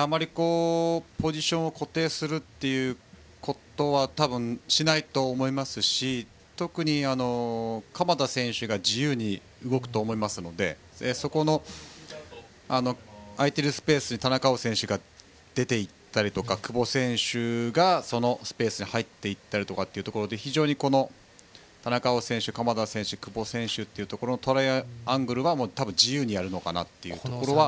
あまり、ポジションを固定するということは多分、しないと思いますし特に鎌田選手が自由に動くと思いますのでそこの空いているスペースに田中碧選手が出ていったり久保選手がそのスペースに入っていったりとか田中碧、鎌田選手、久保選手のトライアングルは多分自由にやるのかなというところで。